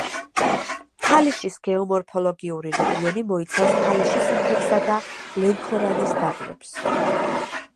თალიშის გეომორფოლოგიური რეგიონი მოიცავს თალიშის მთებსა და ლენქორანის დაბლობს.